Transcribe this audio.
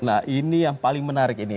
nah ini yang paling menarik ini